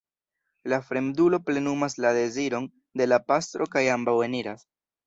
La fremdulo plenumas la deziron de la pastro kaj ambaŭ eniras.